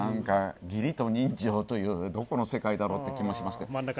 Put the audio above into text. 義理と人情という、どこの世界だろうという気がしますけれども。